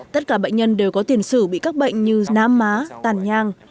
tất cả bệnh nhân đều có tiền sử bị các bệnh như nám má tàn nhang